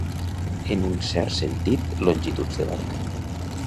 En un cert sentit, longituds de barca.